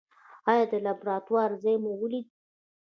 ایا د لابراتوار ځای مو ولید؟